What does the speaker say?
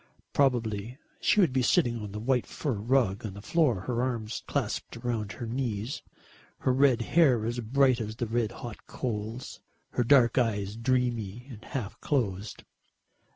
Probably she would be sitting on that white fur rug on the floor, her arms clasped round her knees, her red hair as bright as the red hot coals, her dark eyes dreamy and half closed.